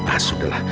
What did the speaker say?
ah sudah lah